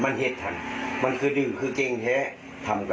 ชิคกี้พาย